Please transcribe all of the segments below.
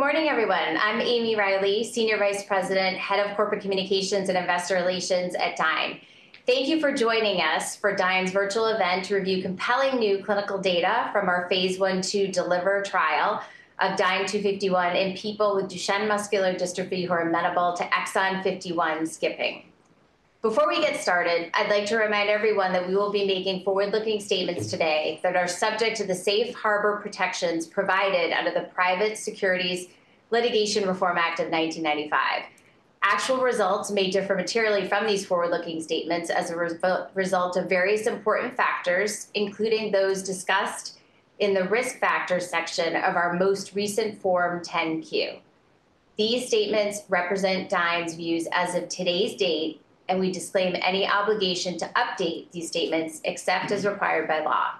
Good morning, everyone. I'm Amy Reilly, Senior Vice President, Head of Corporate Communications and Investor Relations at Dyne. Thank you for joining us for Dyne's virtual event to review compelling new clinical data from our phase 1 DELIVER trial of DYNE-251 in people with Duchenne muscular dystrophy who are amenable to exon 51 skipping. Before we get started, I'd like to remind everyone that we will be making forward-looking statements today that are subject to the safe harbor protections provided under the Private Securities Litigation Reform Act of 1995. Actual results may differ materially from these forward-looking statements as a result of various important factors, including those discussed in the Risk Factors section of our most recent Form 10-Q. These statements represent Dyne's views as of today's date, and we disclaim any obligation to update these statements except as required by law.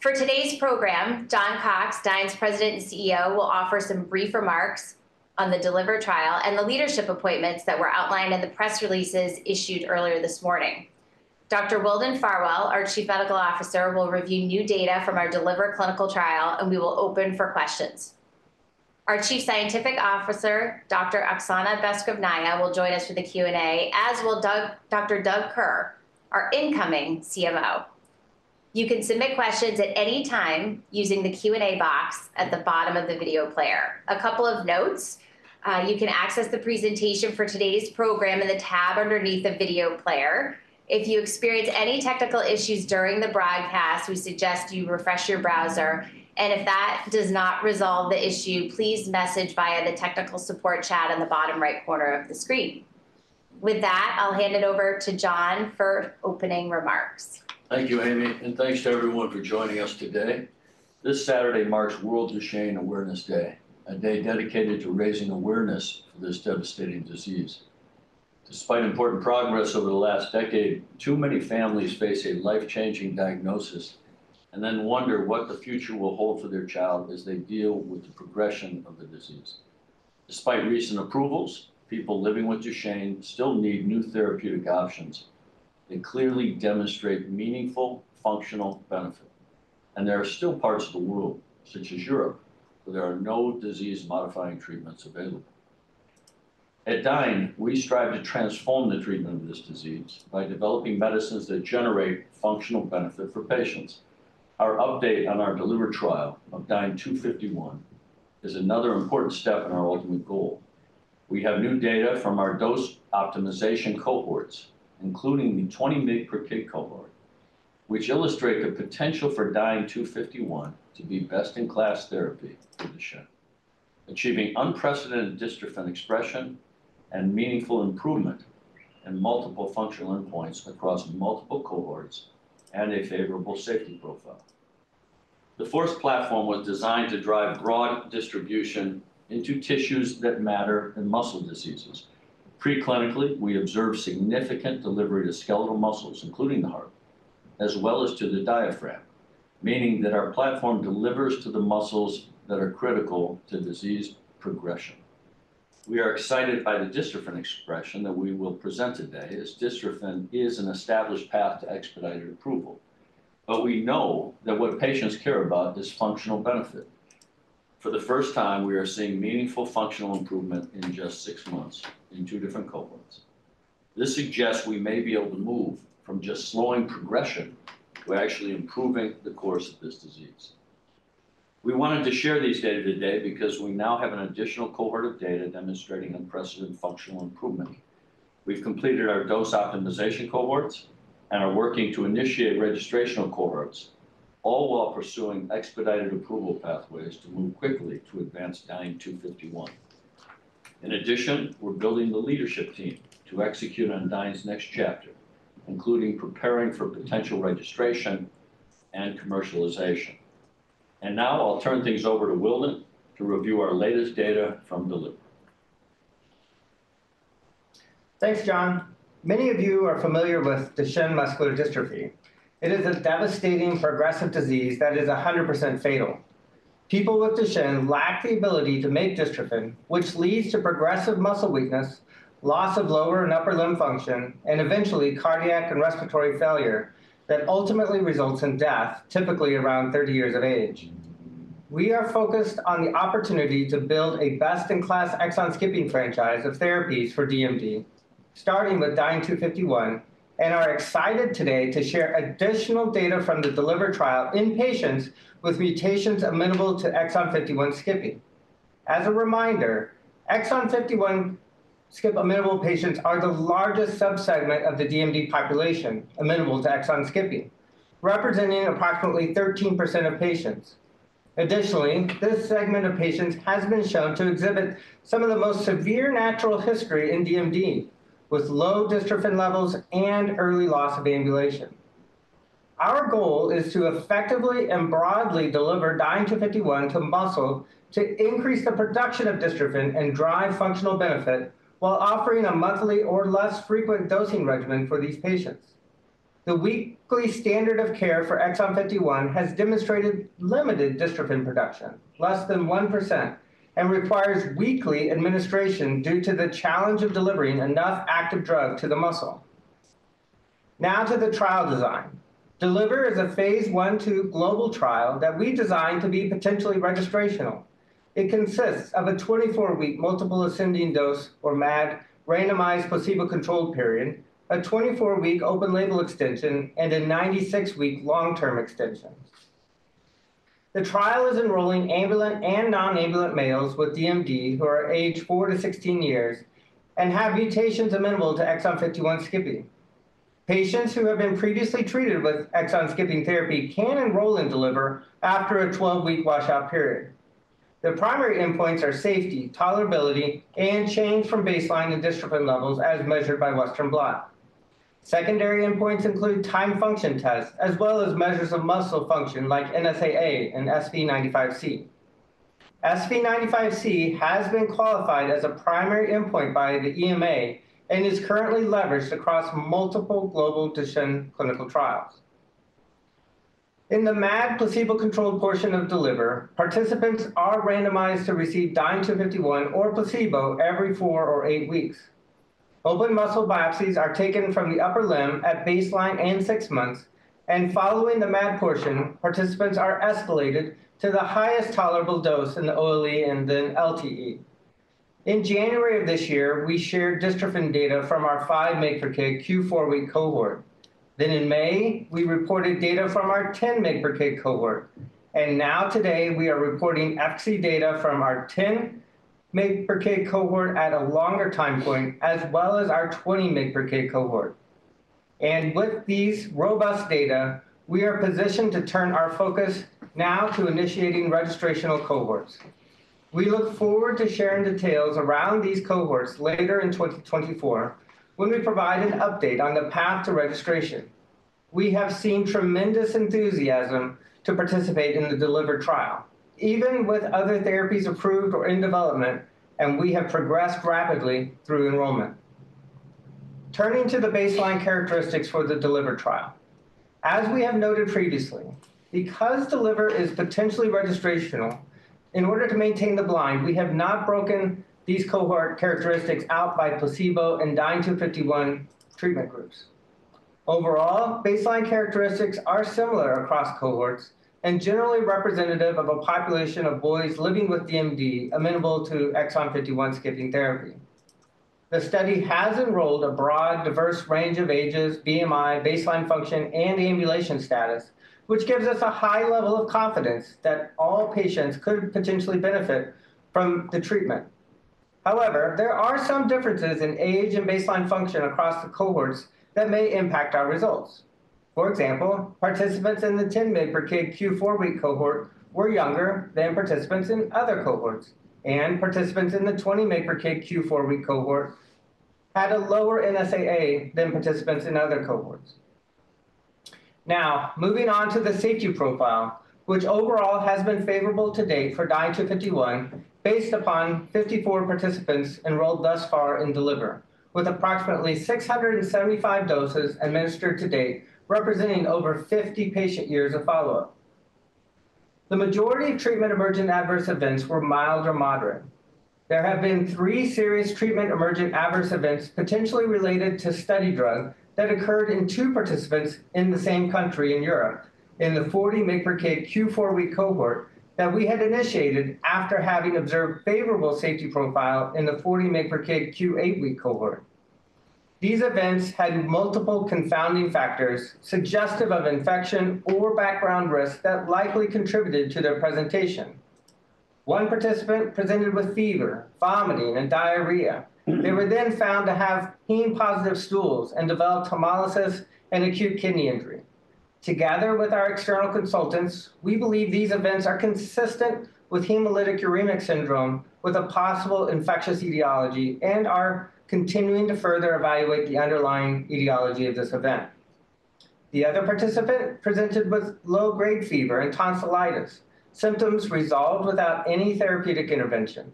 For today's program, John Cox, Dyne's President and CEO, will offer some brief remarks on the DELIVER trial and the leadership appointments that were outlined in the press releases issued earlier this morning. Dr. Wildon Farwell, our Chief Medical Officer, will review new data from our DELIVER clinical trial, and we will open for questions. Our Chief Scientific Officer, Dr. Oxana Beskrovnaya, will join us for the Q&A, as will Doug, Dr. Doug Kerr, our incoming CMO. You can submit questions at any time using the Q&A box at the bottom of the video player. A couple of notes, you can access the presentation for today's program in the tab underneath the video player. If you experience any technical issues during the broadcast, we suggest you refresh your browser, and if that does not resolve the issue, please message via the technical support chat on the bottom right corner of the screen. With that, I'll hand it over to John for opening remarks. Thank you, Amy, and thanks to everyone for joining us today. This Saturday marks World Duchenne Awareness Day, a day dedicated to raising awareness for this devastating disease. Despite important progress over the last decade, too many families face a life-changing diagnosis and then wonder what the future will hold for their child as they deal with the progression of the disease. Despite recent approvals, people living with Duchenne still need new therapeutic options. They clearly demonstrate meaningful, functional benefit, and there are still parts of the world, such as Europe, where there are no disease-modifying treatments available. At Dyne, we strive to transform the treatment of this disease by developing medicines that generate functional benefit for patients. Our update on our DELIVER trial of DYNE-251 is another important step in our ultimate goal. We have new data from our dose optimization cohorts, including the 20 mg per kg cohort, which illustrate the potential for DYNE-251 to be best-in-class therapy for Duchenne, achieving unprecedented dystrophin expression and meaningful improvement in multiple functional endpoints across multiple cohorts and a favorable safety profile. The FORCE platform was designed to drive broad distribution into tissues that matter in muscle diseases. Preclinically, we observed significant delivery to skeletal muscles, including the heart, as well as to the diaphragm, meaning that our platform delivers to the muscles that are critical to disease progression. We are excited by the dystrophin expression that we will present today, as dystrophin is an established path to expedited approval. But we know that what patients care about is functional benefit. For the first time, we are seeing meaningful functional improvement in just six months in two different cohorts. This suggests we may be able to move from just slowing progression to actually improving the course of this disease. We wanted to share these data today because we now have an additional cohort of data demonstrating unprecedented functional improvement. We've completed our dose optimization cohorts and are working to initiate registrational cohorts, all while pursuing expedited approval pathways to move quickly to advance DYNE-251. In addition, we're building the leadership team to execute on Dyne's next chapter, including preparing for potential registration and commercialization, and now I'll turn things over to Wildon to review our latest data from Deliver. Thanks, John. Many of you are familiar with Duchenne muscular dystrophy. It is a devastating progressive disease that is 100% fatal. People with Duchenne lack the ability to make dystrophin, which leads to progressive muscle weakness, loss of lower and upper limb function, and eventually cardiac and respiratory failure that ultimately results in death, typically around thirty years of age. We are focused on the opportunity to build a best-in-class exon skipping franchise of therapies for DMD, starting with DYNE-251, and are excited today to share additional data from the DELIVER trial in patients with mutations amenable to exon 51 skipping. As a reminder, exon 51 skip amenable patients are the largest subsegment of the DMD population amenable to exon skipping, representing approximately 13% of patients. Additionally, this segment of patients has been shown to exhibit some of the most severe natural history in DMD, with low dystrophin levels and early loss of ambulation. Our goal is to effectively and broadly deliver Dyne two fifty-one to muscle to increase the production of dystrophin and drive functional benefit while offering a monthly or less frequent dosing regimen for these patients. The weekly standard of care for exon 51 has demonstrated limited dystrophin production, less than 1%, and requires weekly administration due to the challenge of delivering enough active drug to the muscle. Now to the trial design. DELIVER is a phase I/II global trial that we designed to be potentially registrational. It consists of a 24-week multiple ascending dose, or MAD, randomized placebo-controlled period, a 24-week open label extension, and a 96-week long-term extension. The trial is enrolling ambulant and non-ambulant males with DMD, who are aged four to sixteen years and have mutations amenable to exon fifty-one skipping. Patients who have been previously treated with exon skipping therapy can enroll in DELIVER after a twelve-week washout period. The primary endpoints are safety, tolerability, and change from baseline and dystrophin levels as measured by Western blot. Secondary endpoints include time function tests, as well as measures of muscle function like NSAA and SV95C. SV95C has been qualified as a primary endpoint by the EMA and is currently leveraged across multiple global Duchenne clinical trials. In the MAD placebo-controlled portion of DELIVER, participants are randomized to receive DYNE-251 or placebo every four or eight weeks. Open muscle biopsies are taken from the upper limb at baseline and six months, and following the MAD portion, participants are escalated to the highest tolerable dose in the OLE and then LTE. In January of this year, we shared dystrophin data from our 5 mg per kg Q four-week cohort. Then in May, we reported data from our 10 mg per kg cohort, and now today we are reporting FC data from our 10 mg per kg cohort at a longer time point, as well as our 20 mg per kg cohort. And with these robust data, we are positioned to turn our focus now to initiating registrational cohorts. We look forward to sharing details around these cohorts later in 2024, when we provide an update on the path to registration. We have seen tremendous enthusiasm to participate in the DELIVER trial, even with other therapies approved or in development, and we have progressed rapidly through enrollment. Turning to the baseline characteristics for the DELIVER trial. As we have noted previously, because DELIVER is potentially registrational, in order to maintain the blind, we have not broken these cohort characteristics out by placebo and DYNE-251 treatment groups. Overall, baseline characteristics are similar across cohorts and generally representative of a population of boys living with DMD, amenable to exon 51 skipping therapy. The study has enrolled a broad, diverse range of ages, BMI, baseline function, and ambulation status, which gives us a high level of confidence that all patients could potentially benefit from the treatment. However, there are some differences in age and baseline function across the cohorts that may impact our results. For example, participants in the 10 mg per kg Q four-week cohort were younger than participants in other cohorts, and participants in the 20 mg per kg Q four-week cohort had a lower NSAA than participants in other cohorts. Now, moving on to the safety profile, which overall has been favorable to date for DYNE-251, based upon 54 participants enrolled thus far in DELIVER, with approximately 675 doses administered to date, representing over 50 patient years of follow-up. The majority of treatment emergent adverse events were mild or moderate. There have been three serious treatment emergent adverse events potentially related to study drug that occurred in two participants in the same country in Europe, in the 40 mg per kg Q four-week cohort that we had initiated after having observed favorable safety profile in the 40 mg per kg Q eight-week cohort. These events had multiple confounding factors suggestive of infection or background risk that likely contributed to their presentation. One participant presented with fever, vomiting, and diarrhea. They were then found to have heme-positive stools and developed hemolysis and acute kidney injury. Together with our external consultants, we believe these events are consistent with hemolytic uremic syndrome, with a possible infectious etiology, and are continuing to further evaluate the underlying etiology of this event. The other participant presented with low-grade fever and tonsillitis. Symptoms resolved without any therapeutic intervention.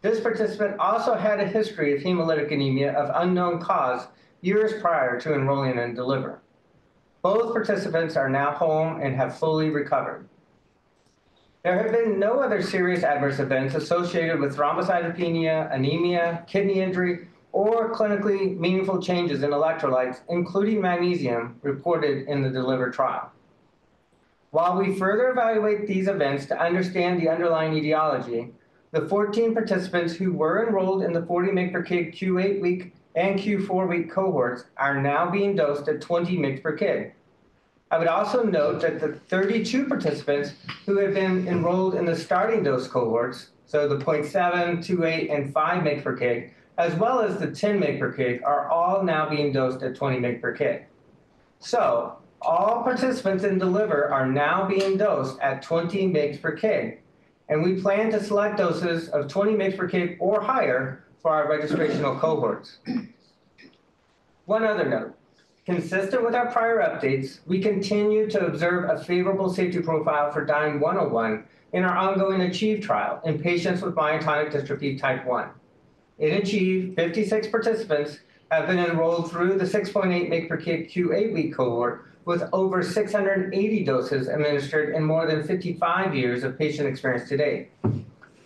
This participant also had a history of hemolytic anemia of unknown cause years prior to enrolling in DELIVER. Both participants are now home and have fully recovered. There have been no other serious adverse events associated with thrombocytopenia, anemia, kidney injury, or clinically meaningful changes in electrolytes, including magnesium, reported in the DELIVER trial. While we further evaluate these events to understand the underlying etiology, the fourteen participants who were enrolled in the forty mg per kg Q eight-week and Q four-week cohorts are now being dosed at twenty mg per kg. I would also note that the thirty-two participants who have been enrolled in the starting dose cohorts, so the point seven, two eight, and five mg per kg, as well as the ten mg per kg, are all now being dosed at twenty mg per kg, so all participants in DELIVER are now being dosed at twenty mg per kg, and we plan to select doses of twenty mg per kg or higher for our registrational cohorts. One other note. Consistent with our prior updates, we continue to observe a favorable safety profile for DYNE-101 in our ongoing ACHIEVE trial in patients with myotonic dystrophy type one. In ACHIEVE, 56 participants have been enrolled through the 6.8 mg per kg Q8-week cohort, with over 680 doses administered in more than 55 years of patient experience to date.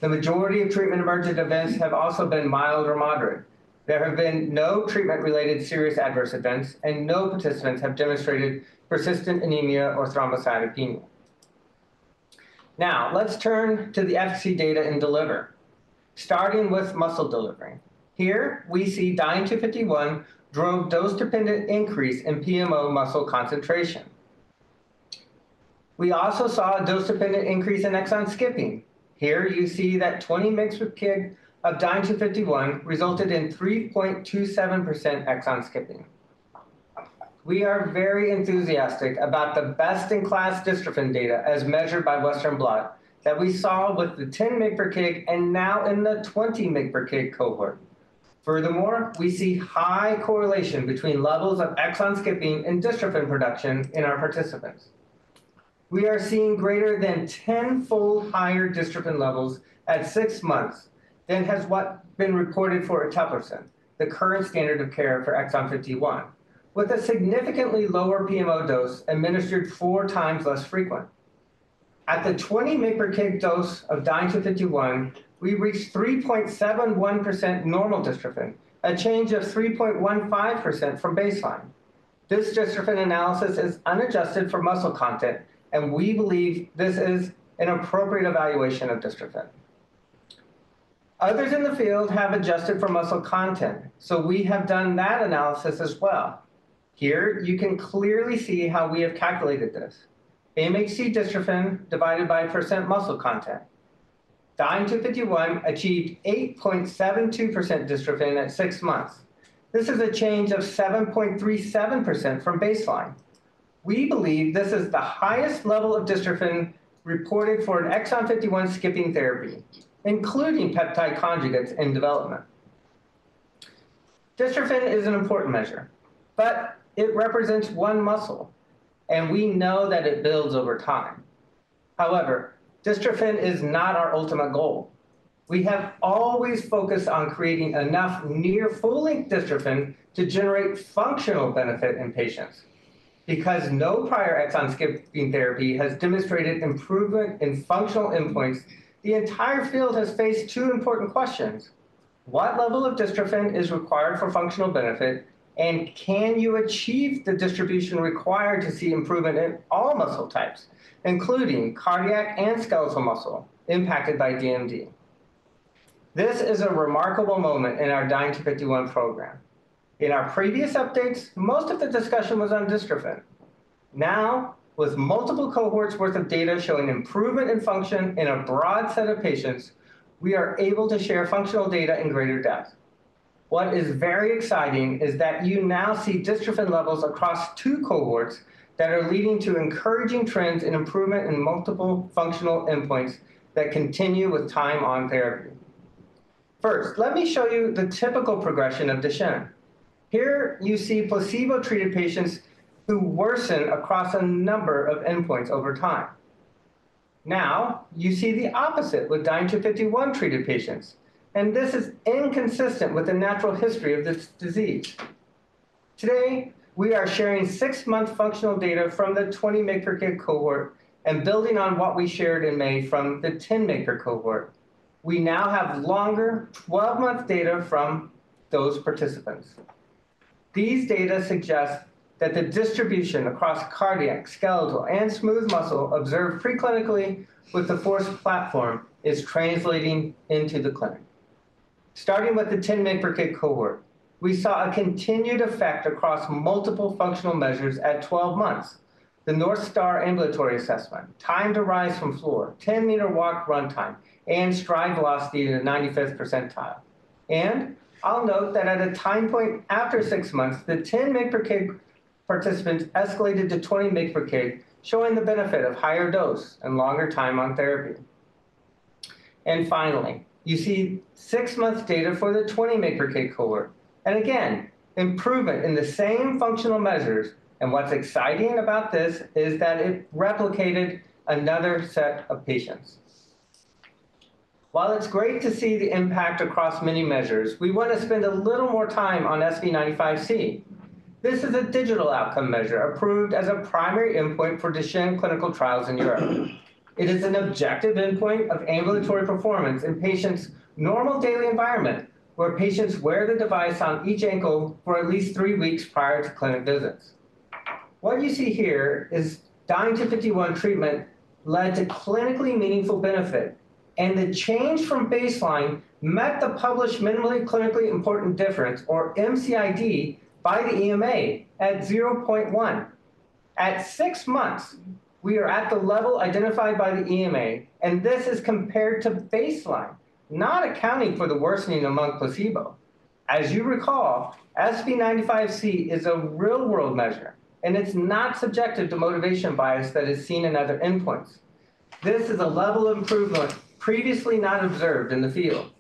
The majority of treatment emergent events have also been mild or moderate. There have been no treatment-related serious adverse events, and no participants have demonstrated persistent anemia or thrombocytopenia. Now, let's turn to the FC data in DELIVER, starting with muscle delivery. Here, we see DYNE-251 drove dose-dependent increase in PMO muscle concentration. We also saw a dose-dependent increase in exon skipping. Here, you see that 20 mg per kg of DYNE-251 resulted in 3.27% exon skipping. We are very enthusiastic about the best-in-class dystrophin data, as measured by Western blot, that we saw with the 10 mg per kg and now in the 20 mg per kg cohort. Furthermore, we see high correlation between levels of exon skipping and dystrophin production in our participants. We are seeing greater than tenfold higher dystrophin levels at six months than what has been reported for Eteplirsen, the current standard of care for exon 51, with a significantly lower PMO dose administered four times less frequent. At the 20 mg per kg dose of DYNE-251, we reached 3.71% normal dystrophin, a change of 3.15% from baseline. This dystrophin analysis is unadjusted for muscle content, and we believe this is an appropriate evaluation of dystrophin. Others in the field have adjusted for muscle content, so we have done that analysis as well. Here, you can clearly see how we have calculated this. AMHC dystrophin divided by percent muscle content. DYNE-251 achieved 8.72% dystrophin at six months. This is a change of 7.37% from baseline. We believe this is the highest level of dystrophin reported for an exon 51 skipping therapy, including peptide conjugates in development. Dystrophin is an important measure, but it represents one muscle, and we know that it builds over time. However, dystrophin is not our ultimate goal. We have always focused on creating enough near full-length dystrophin to generate functional benefit in patients. Because no prior exon skipping therapy has demonstrated improvement in functional endpoints, the entire field has faced two important questions: What level of dystrophin is required for functional benefit? And can you achieve the distribution required to see improvement in all muscle types, including cardiac and skeletal muscle impacted by DMD? This is a remarkable moment in our DYNE-251 program. In our previous updates, most of the discussion was on dystrophin. Now, with multiple cohorts worth of data showing improvement in function in a broad set of patients, we are able to share functional data in greater depth. What is very exciting is that you now see dystrophin levels across two cohorts that are leading to encouraging trends in improvement in multiple functional endpoints that continue with time on therapy. First, let me show you the typical progression of Duchenne. Here, you see placebo-treated patients who worsen across a number of endpoints over time. Now, you see the opposite with DYNE-251-treated patients, and this is inconsistent with the natural history of this disease. Today, we are sharing six-month functional data from the 20 mg per kg cohort and building on what we shared in May from the 10 mg cohort. We now have longer, 12-month data from those participants. These data suggest that the distribution across cardiac, skeletal, and smooth muscle observed preclinically with the FORCE platform is translating into the clinic. Starting with the 10 mg per kg cohort, we saw a continued effect across multiple functional measures at 12 months: the North Star Ambulatory Assessment, time to rise from floor, 10-meter walk/run time, and stride velocity in the 95th percentile. And I'll note that at a time point after 6 months, the 10 mg per kg participants escalated to 20 mg per kg, showing the benefit of higher dose and longer time on therapy. And finally, you see 6-month data for the 20 mg per kg cohort, and again, improvement in the same functional measures. And what's exciting about this is that it replicated another set of patients. While it's great to see the impact across many measures, we want to spend a little more time on SP95C. This is a digital outcome measure approved as a primary endpoint for Duchenne clinical trials in Europe. It is an objective endpoint of ambulatory performance in patients' normal daily environment, where patients wear the device on each ankle for at least three weeks prior to clinic visits. What you see here is DYNE-251 treatment led to clinically meaningful benefit, and the change from baseline met the published minimally clinically important difference, or MCID, by the EMA at zero point one. At six months, we are at the level identified by the EMA, and this is compared to baseline, not accounting for the worsening among placebo. As you recall, SP95C is a real-world measure, and it's not subjected to motivation bias that is seen in other endpoints. This is a level of improvement previously not observed in the field.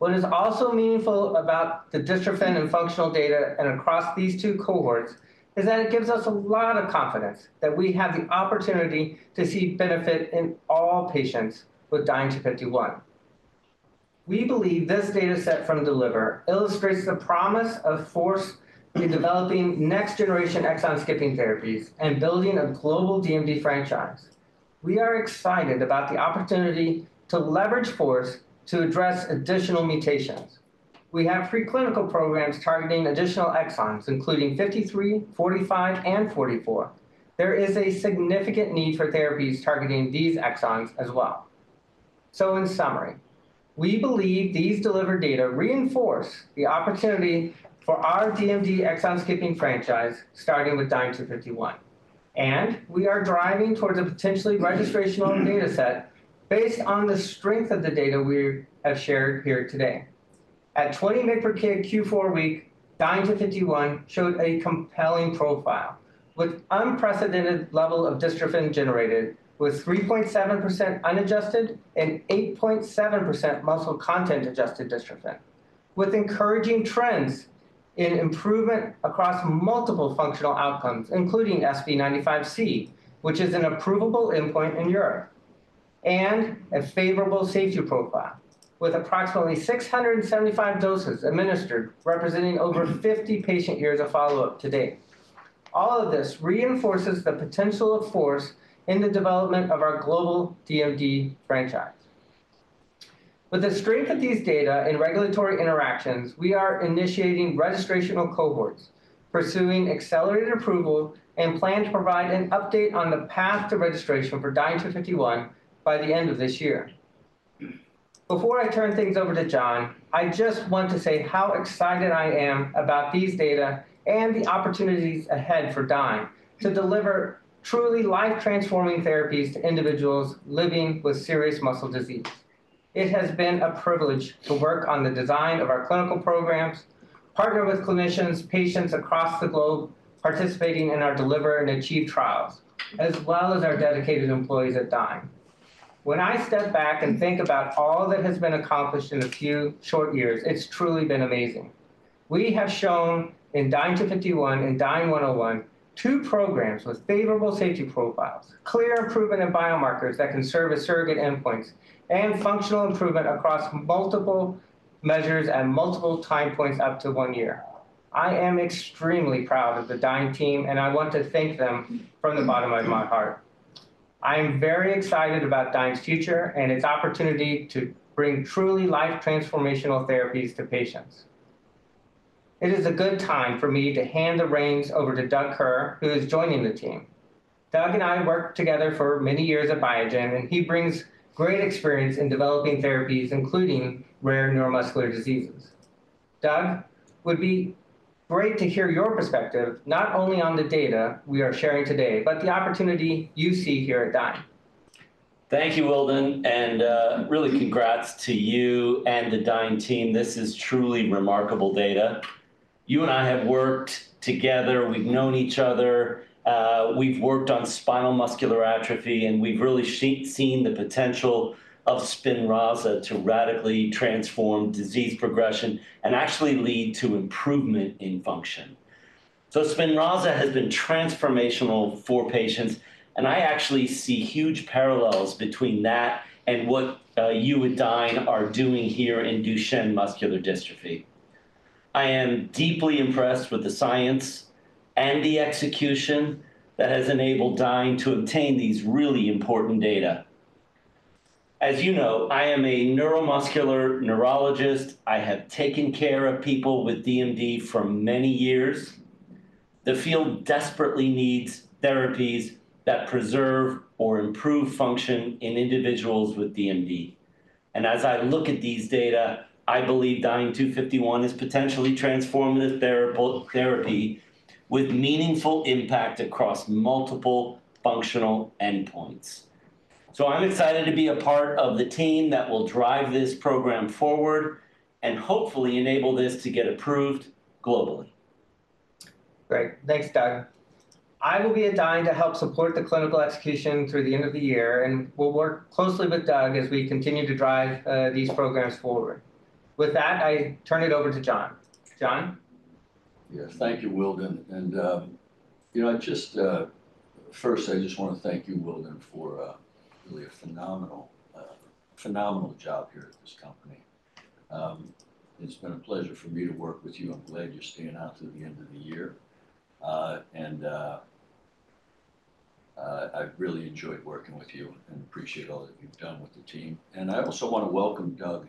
What is also meaningful about the dystrophin and functional data and across these two cohorts is that it gives us a lot of confidence that we have the opportunity to see benefit in all patients with DYNE-251.... We believe this data set from DELIVER illustrates the promise of FORCE in developing next generation exon-skipping therapies and building a global DMD franchise. We are excited about the opportunity to leverage FORCE to address additional mutations. We have preclinical programs targeting additional exons, including fifty-three, forty-five, and forty-four. There is a significant need for therapies targeting these exons as well. So in summary, we believe these DELIVER data reinforce the opportunity for our DMD exon-skipping franchise, starting with DYNE-251, and we are driving towards a potentially registrational data set based on the strength of the data we have shared here today. At 20 mg per kg Q4 week, DYNE-251 showed a compelling profile with unprecedented level of dystrophin generated, with 3.7% unadjusted and 8.7% muscle content adjusted dystrophin, with encouraging trends in improvement across multiple functional outcomes, including SV95C, which is an approvable endpoint in Europe, and a favorable safety profile, with approximately 675 doses administered, representing over 50 patient years of follow-up to date. All of this reinforces the potential of FORCE in the development of our global DMD franchise. With the strength of these data and regulatory interactions, we are initiating registrational cohorts, pursuing accelerated approval, and plan to provide an update on the path to registration for DYNE-251 by the end of this year. Before I turn things over to John, I just want to say how excited I am about these data and the opportunities ahead for DYNE to deliver truly life-transforming therapies to individuals living with serious muscle disease. It has been a privilege to work on the design of our clinical programs, partner with clinicians, patients across the globe participating in our DELIVER and ACHIEVE trials, as well as our dedicated employees at DYNE. When I step back and think about all that has been accomplished in a few short years, it's truly been amazing. We have shown in DYNE-251 and DYNE-101, two programs with favorable safety profiles, clear improvement in biomarkers that can serve as surrogate endpoints, and functional improvement across multiple measures and multiple time points up to one year. I am extremely proud of the DYNE team, and I want to thank them from the bottom of my heart. I am very excited about DYNE's future and its opportunity to bring truly life transformational therapies to patients. It is a good time for me to hand the reins over to Doug Kerr, who is joining the team. Doug and I worked together for many years at Biogen, and he brings great experience in developing therapies, including rare neuromuscular diseases. Doug, it would be great to hear your perspective, not only on the data we are sharing today, but the opportunity you see here at DYNE. Thank you, Wildon, and really congrats to you and the DYNE team. This is truly remarkable data. You and I have worked together, we've known each other, we've worked on spinal muscular atrophy, and we've really seen the potential of Spinraza to radically transform disease progression and actually lead to improvement in function. So Spinraza has been transformational for patients, and I actually see huge parallels between that and what you and DYNE are doing here in Duchenne muscular dystrophy. I am deeply impressed with the science and the execution that has enabled DYNE to obtain these really important data. As you know, I am a neuromuscular neurologist. I have taken care of people with DMD for many years. The field desperately needs therapies that preserve or improve function in individuals with DMD. As I look at these data, I believe DYNE-251 is potentially transformative therapy with meaningful impact across multiple functional endpoints. I'm excited to be a part of the team that will drive this program forward and hopefully enable this to get approved globally. Great. Thanks, Doug. I will be at DYNE to help support the clinical execution through the end of the year, and we'll work closely with Doug as we continue to drive these programs forward. With that, I turn it over to John. John? Yeah. Thank you, Wildon. And, you know, just first, I just want to thank you, Wildon, for really a phenomenal job here at this company. It's been a pleasure for me to work with you. I'm glad you're staying on through the end of the year. And I've really enjoyed working with you and appreciate all that you've done with the team. And I also want to welcome Doug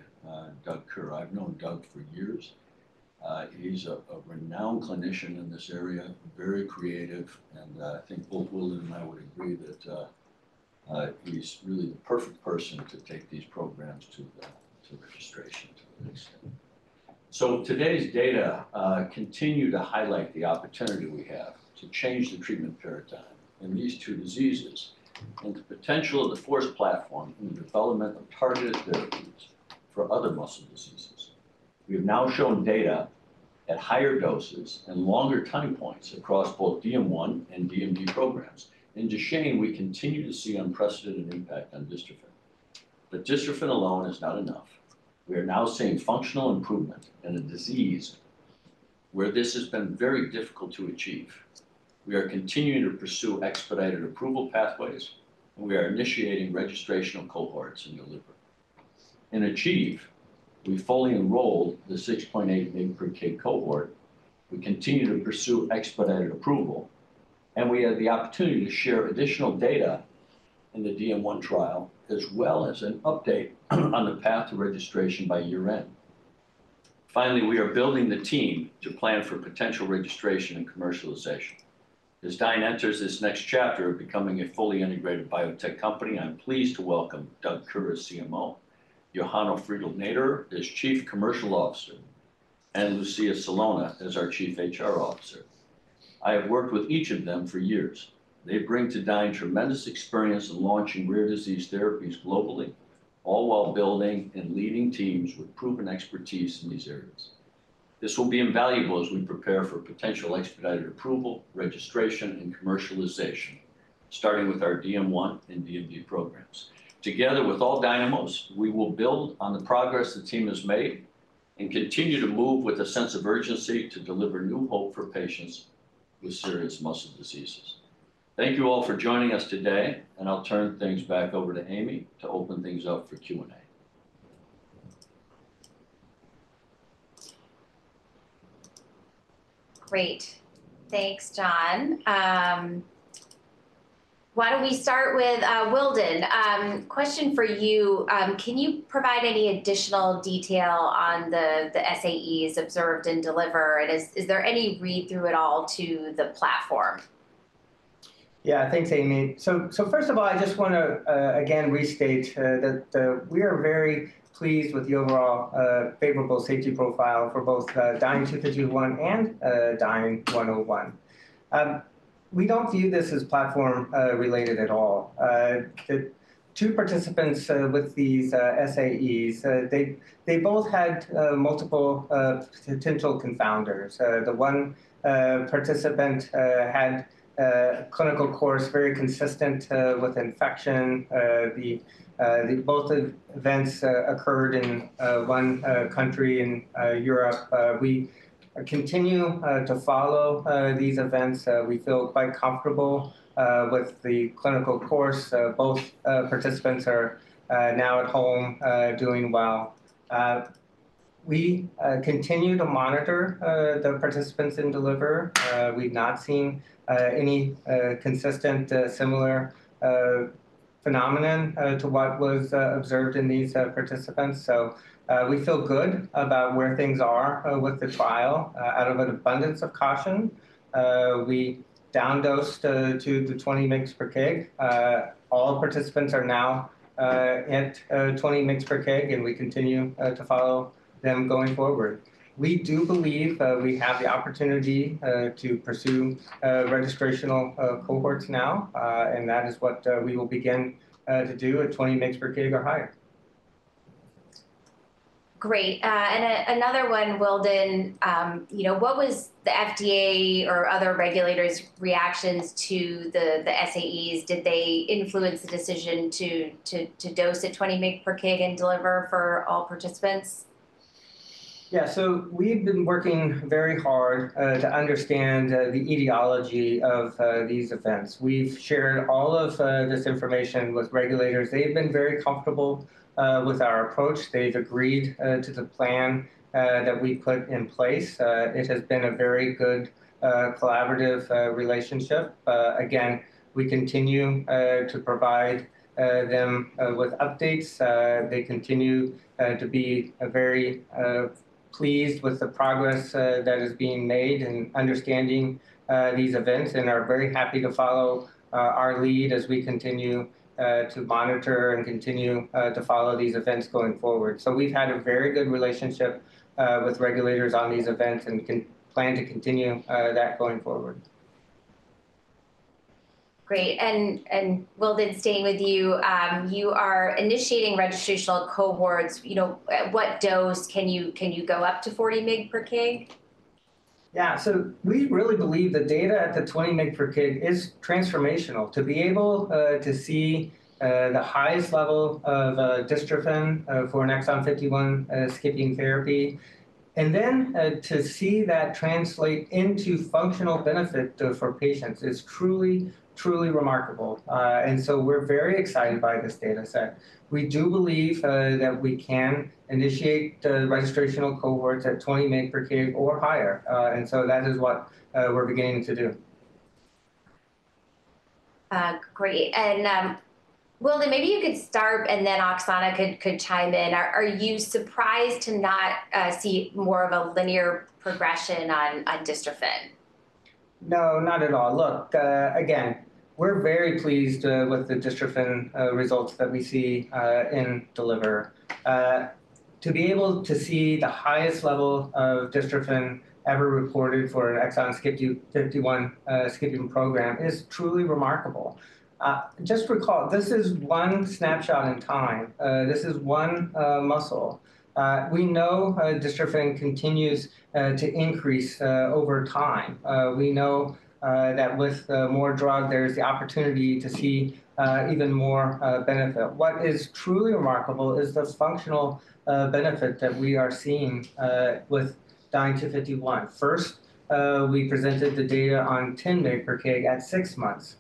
Kerr. I've known Doug for years. He's a renowned clinician in this area, very creative, and I think both Wildon and I would agree that he's really the perfect person to take these programs to registration, to the next step. Today's data continue to highlight the opportunity we have to change the treatment paradigm in these two diseases and the potential of the FORCE platform in the development of targeted therapies for other muscle diseases. We have now shown data at higher doses and longer time points across both DM one and DMD programs. In Duchenne, we continue to see unprecedented impact on dystrophin. But dystrophin alone is not enough. We are now seeing functional improvement where this has been very difficult to achieve. We are continuing to pursue expedited approval pathways, and we are initiating registrational cohorts in DELIVER. In ACHIEVE, we fully enrolled the 6.8 mg per kg cohort. We continue to pursue expedited approval, and we have the opportunity to share additional data in the DM one trial, as well as an update on the path to registration by year-end. Finally, we are building the team to plan for potential registration and commercialization. As Dyne enters this next chapter of becoming a fully integrated biotech company, I'm pleased to welcome Doug Kerr, CMO, Johanna Friedl-Nader as Chief Commercial Officer, and Lucia Celona as our Chief HR Officer. I have worked with each of them for years. They bring to Dyne tremendous experience in launching rare disease therapies globally, all while building and leading teams with proven expertise in these areas. This will be invaluable as we prepare for potential expedited approval, registration, and commercialization, starting with our DM1 and DMD programs. Together with all Dynamos, we will build on the progress the team has made and continue to move with a sense of urgency to deliver new hope for patients with serious muscle diseases. Thank you all for joining us today, and I'll turn things back over to Amy to open things up for Q&A. Great. Thanks, John. Why don't we start with Wildon? Question for you, can you provide any additional detail on the SAEs observed in DELIVER, and is there any read-through at all to the platform? Yeah, thanks, Amy. So first of all, I just wanna again restate that we are very pleased with the overall favorable safety profile for both DYNE-251 and DYNE-101. We don't view this as platform related at all. The two participants with these SAEs, they both had multiple potential confounders. The one participant had clinical course very consistent with infection. Both events occurred in one country in Europe. We continue to follow these events. We feel quite comfortable with the clinical course. Both participants are now at home doing well. We continue to monitor the participants in DELIVER. We've not seen any consistent similar phenomenon to what was observed in these participants, so we feel good about where things are with the trial. Out of an abundance of caution, we down-dosed to the 20 mgs per kg. All participants are now at 20 mgs per kg, and we continue to follow them going forward. We do believe we have the opportunity to pursue registrational cohorts now, and that is what we will begin to do at 20 mgs per kg or higher. Great. And another one, Wildon, you know, what was the FDA or other regulators' reactions to the SAEs? Did they influence the decision to dose at 20 mg per kg in DELIVER for all participants? Yeah, so we've been working very hard to understand the etiology of these events. We've shared all of this information with regulators. They've been very comfortable with our approach. They've agreed to the plan that we've put in place. It has been a very good collaborative relationship. Again, we continue to provide them with updates. They continue to be very pleased with the progress that is being made in understanding these events and are very happy to follow our lead as we continue to monitor and continue to follow these events going forward, so we've had a very good relationship with regulators on these events, and we plan to continue that going forward. Great. Wildon, staying with you, you are initiating registrational cohorts. You know, what dose can you go up to 40 mg per kg? Yeah, so we really believe the data at the 20 mg per kg is transformational. To be able to see the highest level of dystrophin for an exon 51 skipping therapy, and then to see that translate into functional benefit for patients is truly, truly remarkable, and so we're very excited by this data set. We do believe that we can initiate the registrational cohorts at 20 mg per kg or higher, and so that is what we're beginning to do. Great. And, Wildon, maybe you could start, and then Oxana could chime in. Are you surprised to not see more of a linear progression on dystrophin? No, not at all. Look, again, we're very pleased with the dystrophin results that we see in DELIVER. To be able to see the highest level of dystrophin ever reported for an exon 51 skipping program is truly remarkable. Just recall, this is one snapshot in time. This is one muscle. We know dystrophin continues to increase over time. We know that with more drug, there's the opportunity to see even more benefit. What is truly remarkable is this functional benefit that we are seeing with DYNE-251. First, we presented the data on 10 mg per kg at six months,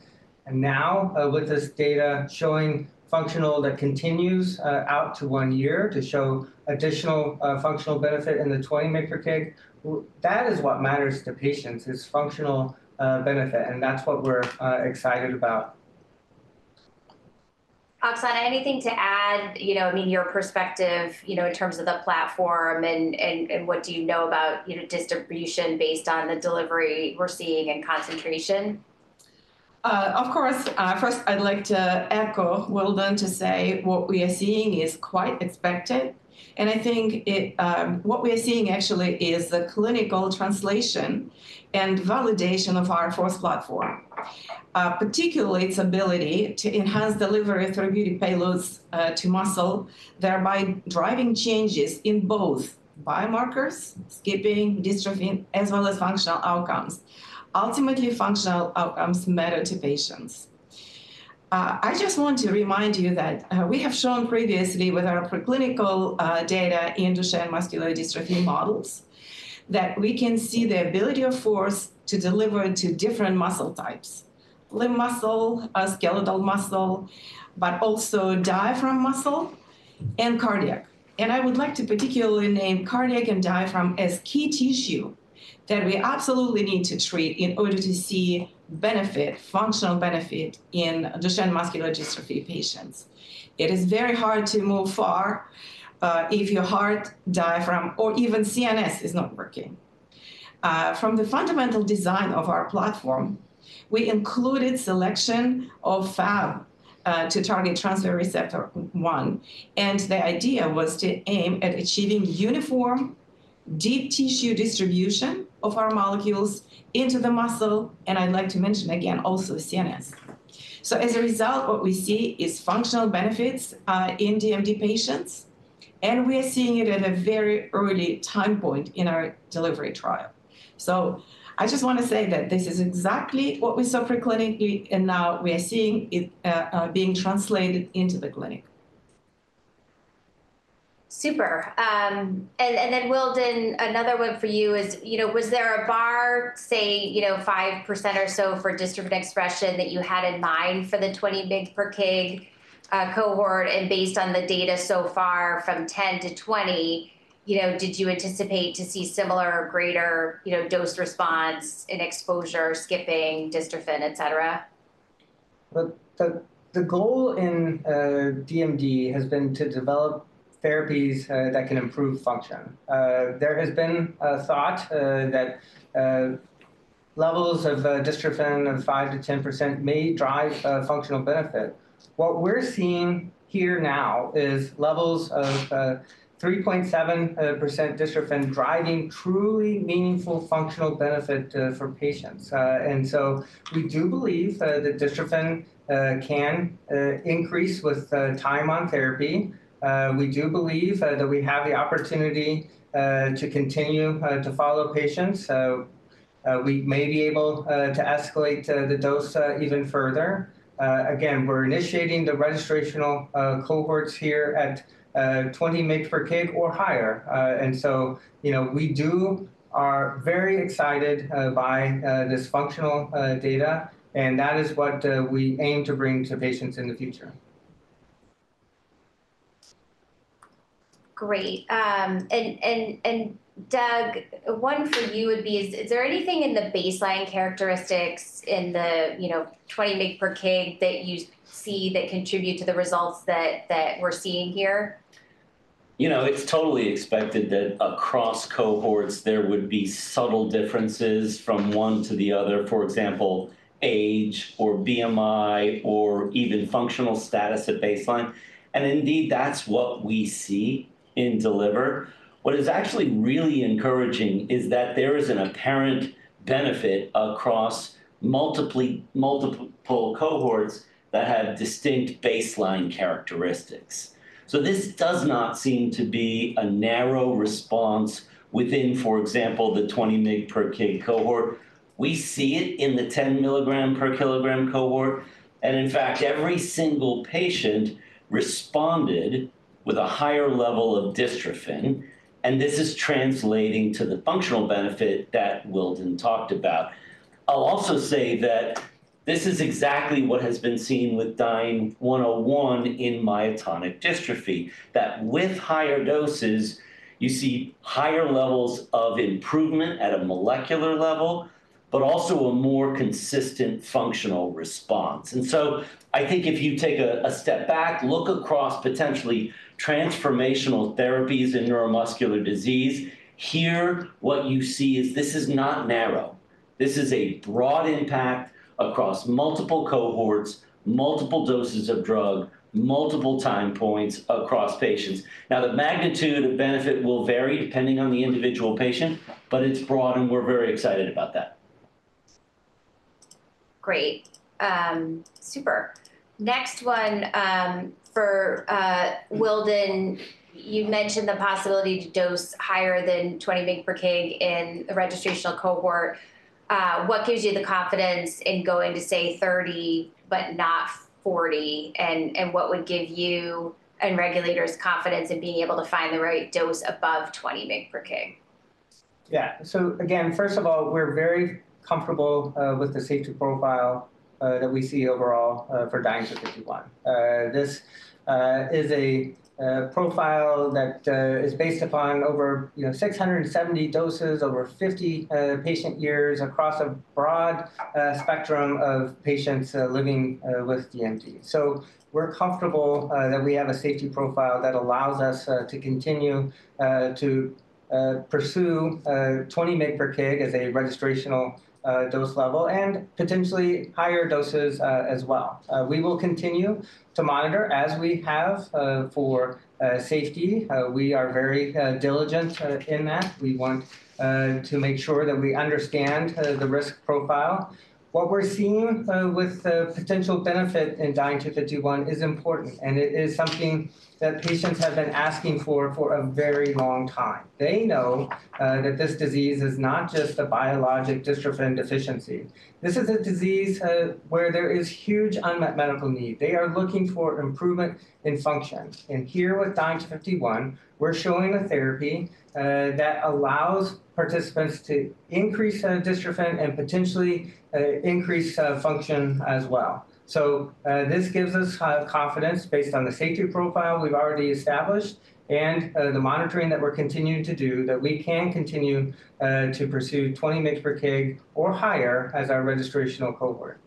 and now, with this data showing functional that continues, out to one year to show additional, functional benefit in the 20 mg per kg, that is what matters to patients, is functional, benefit, and that's what we're excited about. Oxana, anything to add? You know, I mean, your perspective, you know, in terms of the platform and what do you know about, you know, distribution based on the delivery we're seeing and concentration? Of course. First I'd like to echo Wildon to say what we are seeing is quite expected. What we are seeing actually is the clinical translation and validation of our FORCE platform, particularly its ability to enhance delivery therapeutic payloads to muscle, thereby driving changes in both biomarkers, skipping dystrophin, as well as functional outcomes. Ultimately, functional outcomes matter to patients. I just want to remind you that we have shown previously with our preclinical data in Duchenne muscular dystrophy models, that we can see the ability of FORCE to deliver to different muscle types: limb muscle, skeletal muscle, but also diaphragm muscle and cardiac. I would like to particularly name cardiac and diaphragm as key tissue that we absolutely need to treat in order to see benefit, functional benefit in Duchenne muscular dystrophy patients. It is very hard to move far if your heart, diaphragm, or even CNS is not working. From the fundamental design of our platform, we included selection of fab to target transferrin receptor 1, and the idea was to aim at achieving uniform, deep tissue distribution of our molecules into the muscle, and I'd like to mention again, also CNS. So as a result, what we see is functional benefits in DMD patients, and we are seeing it at a very early time point in our delivery trial. So I just wanna say that this is exactly what we saw preclinically, and now we are seeing it being translated into the clinic. Super. And then Wildon, another one for you is, you know, was there a bar, say, you know, 5% or so for distributed expression that you had in mind for the 20 mg per kg cohort? And based on the data so far from 10 to 20, you know, did you anticipate to see similar or greater, you know, dose response in exposure, skipping dystrophin, et cetera? Look, the goal in DMD has been to develop therapies that can improve function. There has been a thought that levels of dystrophin of five to 10% may drive a functional benefit. What we're seeing here now is levels of 3.7% dystrophin driving truly meaningful functional benefit for patients, and so we do believe that dystrophin can increase with time on therapy. We do believe that we have the opportunity to continue to follow patients, so we may be able to escalate the dose even further. Again, we're initiating the registrational cohorts here at 20 mg per kg or higher, and so, you know, we do... Are very excited by this functional data, and that is what we aim to bring to patients in the future. Great. And Doug, one for you would be, is there anything in the baseline characteristics in the, you know, 20 mg per kg that you see that contribute to the results that we're seeing here? You know, it's totally expected that across cohorts there would be subtle differences from one to the other, for example, age or BMI or even functional status at baseline. And indeed, that's what we see in DELIVER. What is actually really encouraging is that there is an apparent benefit across multiple, multiple cohorts that have distinct baseline characteristics. So this does not seem to be a narrow response within, for example, the 20 mg per kg cohort. We see it in the 10 milligram per kilogram cohort, and in fact, every single patient responded with a higher level of dystrophin, and this is translating to the functional benefit that Wildon talked about. I'll also say that this is exactly what has been seen with DYNE-101 in myotonic dystrophy. That with higher doses, you see higher levels of improvement at a molecular level, but also a more consistent functional response. And so I think if you take a step back, look across potentially transformational therapies in neuromuscular disease, here, what you see is this is not narrow.... This is a broad impact across multiple cohorts, multiple doses of drug, multiple time points across patients. Now, the magnitude of benefit will vary depending on the individual patient, but it's broad, and we're very excited about that. Great. Super! Next one, for Wildon. You mentioned the possibility to dose higher than twenty mg per kg in the registrational cohort. What gives you the confidence in going to, say, thirty, but not forty? And what would give you and regulators confidence in being able to find the right dose above twenty mg per kg? Yeah. So again, first of all, we're very comfortable with the safety profile that we see overall for DYNE-251. This is a profile that is based upon over, you know, 670 doses, over 50 patient years across a broad spectrum of patients living with DMD. So we're comfortable that we have a safety profile that allows us to continue to pursue 20 mg per kg as a registrational dose level, and potentially higher doses as well. We will continue to monitor as we have for safety. We are very diligent in that. We want to make sure that we understand the risk profile. What we're seeing with the potential benefit in DYNE-251 is important, and it is something that patients have been asking for a very long time. They know that this disease is not just a biologic dystrophin deficiency. This is a disease where there is huge unmet medical need. They are looking for improvement in function. And here with DYNE-251, we're showing a therapy that allows participants to increase dystrophin and potentially increase function as well. So this gives us high confidence based on the safety profile we've already established and the monitoring that we're continuing to do, that we can continue to pursue 20 mg per kg or higher as our registrational cohort.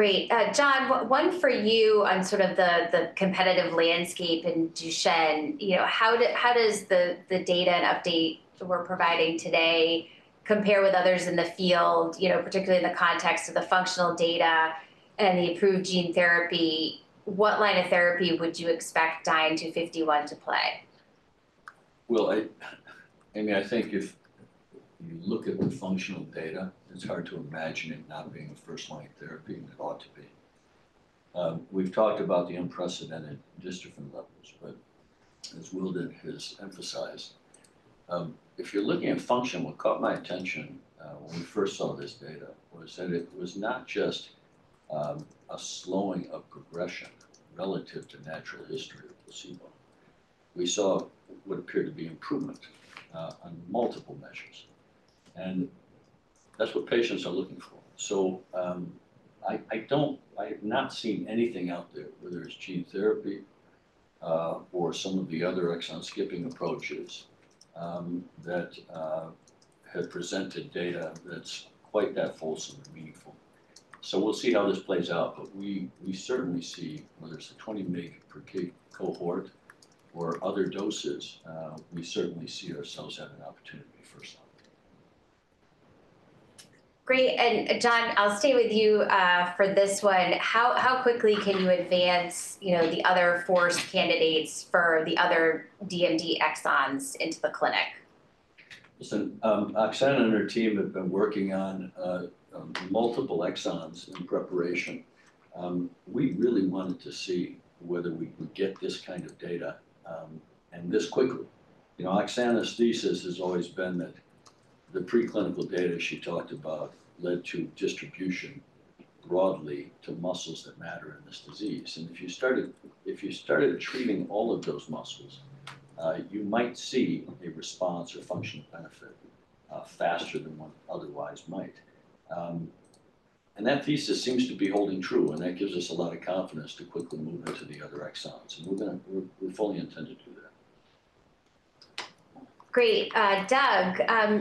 Great. John, one for you on sort of the competitive landscape in Duchenne. You know, how does the data and update we're providing today compare with others in the field, you know, particularly in the context of the functional data and the approved gene therapy? What line of therapy would you expect DYNE-251 to play? I mean, I think if you look at the functional data, it's hard to imagine it not being a first-line therapy, and it ought to be. We've talked about the unprecedented dystrophin levels, but as Wildon has emphasized, if you're looking at function, what caught my attention when we first saw this data was that it was not just a slowing of progression relative to natural history of placebo. We saw what appeared to be improvement on multiple measures, and that's what patients are looking for. So, I have not seen anything out there, whether it's gene therapy or some of the other exon-skipping approaches that have presented data that's quite that fulsome and meaningful. So we'll see how this plays out, but we certainly see whether it's a 20 mg per kg cohort or other doses, we certainly see ourselves having an opportunity for something. Great. And, John, I'll stay with you for this one. How quickly can you advance, you know, the other four candidates for the other DMD exons into the clinic? Listen, Oxana and her team have been working on multiple exons in preparation. We really wanted to see whether we could get this kind of data, and this quickly. You know, Oxana's thesis has always been that the preclinical data she talked about led to distribution broadly to muscles that matter in this disease. And if you started treating all of those muscles, you might see a response or functional benefit, faster than one otherwise might. And that thesis seems to be holding true, and that gives us a lot of confidence to quickly move into the other exons, and we're gonna. We fully intend to do that. Great. Doug,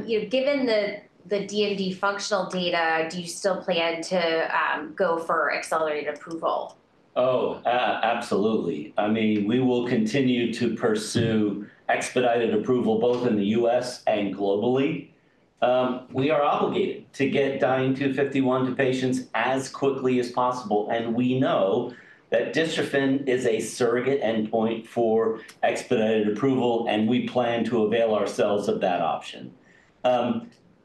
you know, given the DMD functional data, do you still plan to go for accelerated approval? Oh, absolutely. I mean, we will continue to pursue expedited approval both in the US and globally. We are obligated to get DYNE-251 to patients as quickly as possible, and we know that dystrophin is a surrogate endpoint for expedited approval, and we plan to avail ourselves of that option.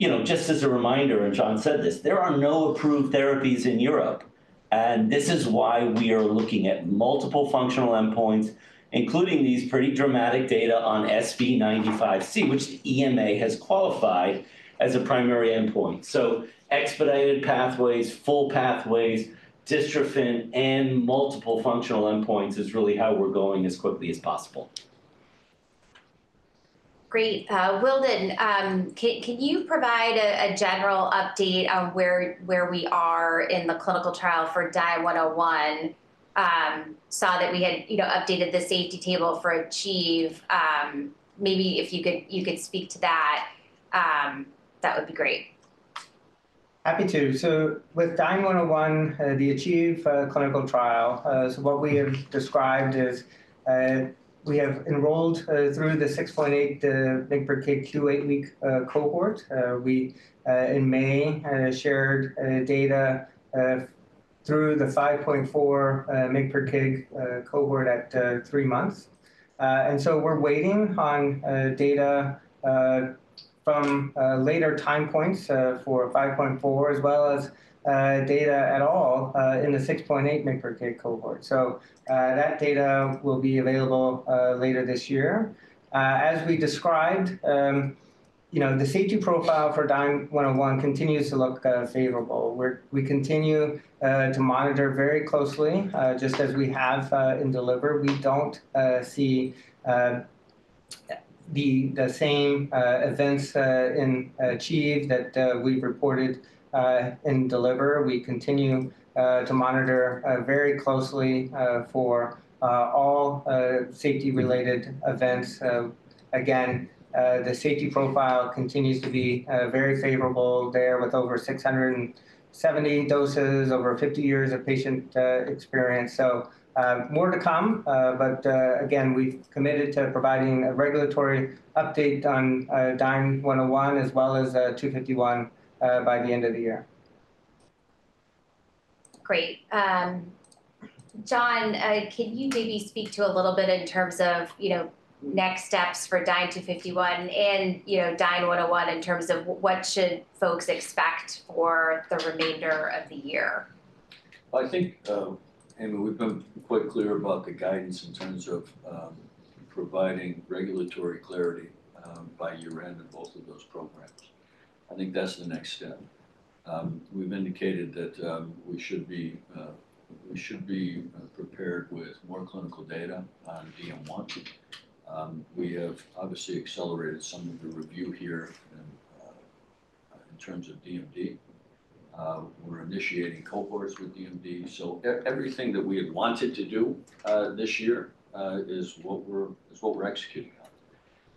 You know, just as a reminder, and John said this, there are no approved therapies in Europe, and this is why we are looking at multiple functional endpoints, including these pretty dramatic data on SV95C, which the EMA has qualified as a primary endpoint. So expedited pathways, full pathways, dystrophin, and multiple functional endpoints is really how we're going as quickly as possible. Great. Wildon, can you provide a general update on where we are in the clinical trial for DYNE-101? Saw that we had, you know, updated the safety table for ACHIEVE. Maybe if you could speak to that, that would be great. ... Happy to. So with DYNE-101, the ACHIEVE clinical trial, so what we have described is, we have enrolled through the 6.8 mg per kg eight-week cohort. We in May shared data through the 5.4 mg per kg cohort at three months. And so we're waiting on data from later time points for 5.4, as well as data at all in the 6.8 mg per kg cohort. So that data will be available later this year. As we described, you know, the safety profile for DYNE-101 continues to look favorable. We continue to monitor very closely just as we have in DELIVER. We don't see the same events in ACHIEVE that we've reported in DELIVER. We continue to monitor very closely for all safety-related events. Again, the safety profile continues to be very favorable there with over six hundred and seventy doses, over fifty years of patient experience. So, more to come, but again, we've committed to providing a regulatory update on DYNE-101, as well as two fifty-one, by the end of the year. Great. John, can you maybe speak to a little bit in terms of, you know, next steps for DYNE-251 and, you know, DYNE-101 in terms of what should folks expect for the remainder of the year? I think, I mean, we've been quite clear about the guidance in terms of providing regulatory clarity by year-end in both of those programs. I think that's the next step. We've indicated that we should be prepared with more clinical data on DM1. We have obviously accelerated some of the review here in terms of DMD. We're initiating cohorts with DMD. So everything that we had wanted to do this year is what we're executing on,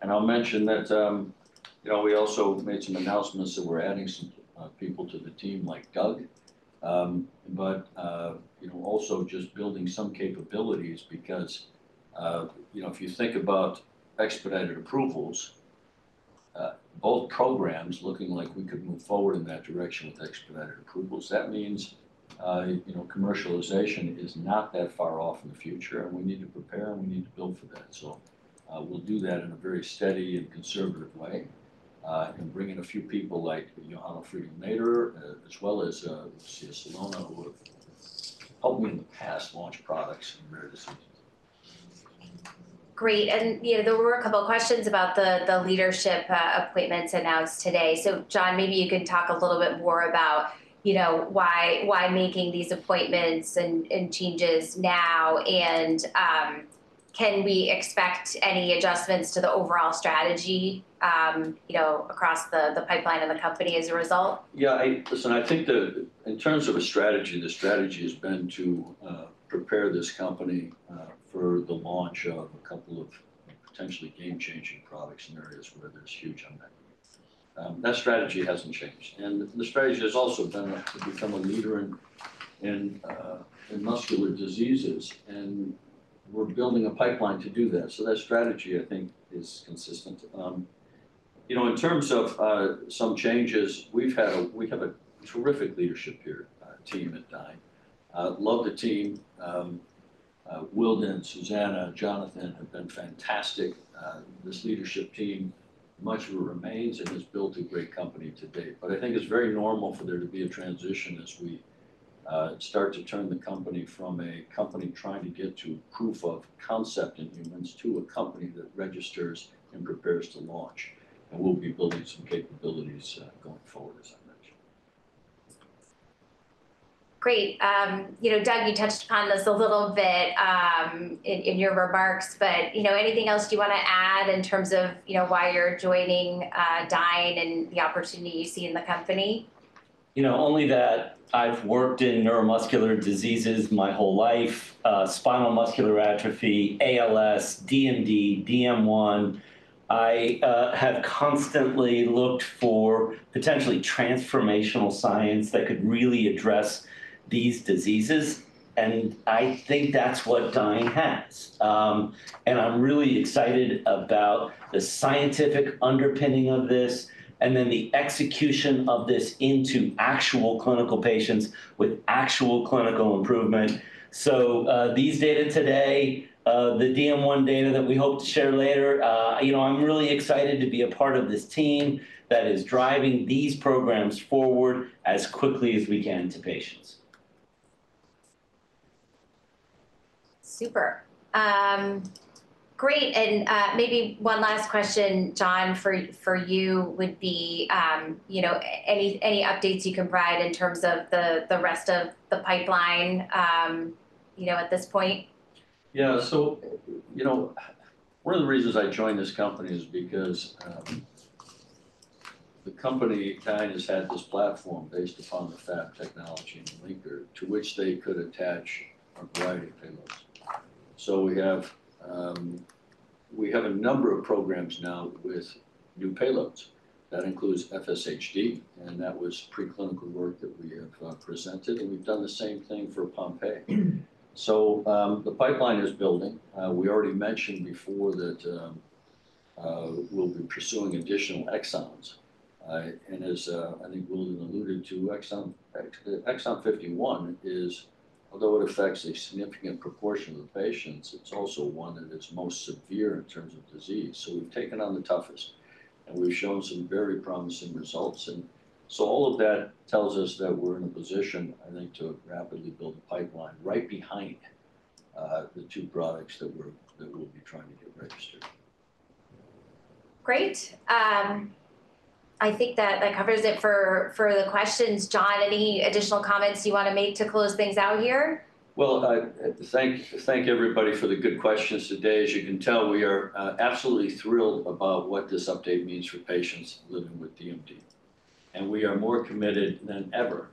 and I'll mention that, you know, we also made some announcements that we're adding some people to the team, like Doug. But you know, also just building some capabilities because you know, if you think about expedited approvals, both programs looking like we could move forward in that direction with expedited approvals, that means you know, commercialization is not that far off in the future, and we need to prepare, and we need to build for that. So we'll do that in a very steady and conservative way, and bring in a few people like Johanna Friedl-Nader, as well as Sheila Solano, who have helped me in the past launch products in rare diseases. Great. And, you know, there were a couple of questions about the leadership appointments announced today. So, John, maybe you could talk a little bit more about, you know, why making these appointments and changes now, and can we expect any adjustments to the overall strategy, you know, across the pipeline of the company as a result? Yeah, listen, I think the, in terms of a strategy, the strategy has been to prepare this company for the launch of a couple of potentially game-changing products in areas where there's huge unmet need. That strategy hasn't changed, and the strategy has also been to become a leader in muscular diseases, and we're building a pipeline to do that. So that strategy, I think, is consistent. You know, in terms of some changes, we have a terrific leadership team here at Dyne. I love the team. Wildon, Susanna, Jonathan have been fantastic. This leadership team, much of it remains and has built a great company to date. But I think it's very normal for there to be a transition as we start to turn the company from a company trying to get to proof of concept in humans, to a company that registers and prepares to launch. And we'll be building some capabilities, going forward, as I mentioned. Great. You know, Doug, you touched upon this a little bit, in your remarks, but, you know, anything else do you wanna add in terms of, you know, why you're joining, Dyne and the opportunity you see in the company? You know, only that I've worked in neuromuscular diseases my whole life, spinal muscular atrophy, ALS, DMD, DM1. I have constantly looked for potentially transformational science that could really address these diseases, and I think that's what Dyne has and I'm really excited about the scientific underpinning of this, and then the execution of this into actual clinical patients with actual clinical improvement so these data today, the DM1 data that we hope to share later, you know, I'm really excited to be a part of this team that is driving these programs forward as quickly as we can to patients. Super. Great, and maybe one last question, John, for you would be, you know, any updates you can provide in terms of the rest of the pipeline, you know, at this point? Yeah, so, you know, one of the reasons I joined this company is because the company, Dyne, has had this platform based upon the Fab technology and the linker, to which they could attach a variety of payloads. So we have a number of programs now with new payloads. That includes FSHD, and that was preclinical work that we have presented, and we've done the same thing for Pompe. So the pipeline is building. We already mentioned before that we'll be pursuing additional exons. And as I think Wildon alluded to, exon 51 is... although it affects a significant proportion of the patients, it's also one that's most severe in terms of disease. So we've taken on the toughest, and we've shown some very promising results. And so all of that tells us that we're in a position, I think, to rapidly build a pipeline right behind the two products that we'll be trying to get registered. Great. I think that covers it for the questions. John, any additional comments you wanna make to close things out here? Thank everybody for the good questions today. As you can tell, we are absolutely thrilled about what this update means for patients living with DMD, and we are more committed than ever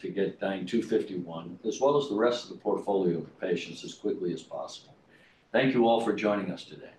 to get Dyne two fifty-one, as well as the rest of the portfolio for patients as quickly as possible. Thank you all for joining us today.